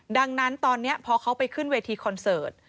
ดังนั้นตอนนี้พอเขาไปขึ้นเวทีคอนเสิร์ต